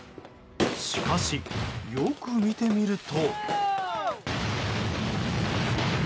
しかし、よく見てみると。